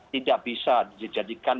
tidak bisa dijadikan